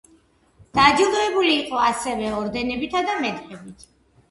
დაჯილდოებული იყო ასევე ორდენებითა და მედლებით.